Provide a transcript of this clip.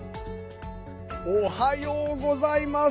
おはようございます。